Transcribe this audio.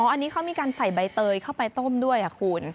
อันนี้เค้ามีการใส่ใบเตยไปต้มด้วยนะคุณ